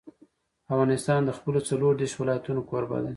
افغانستان د خپلو څلور دېرش ولایتونو کوربه دی.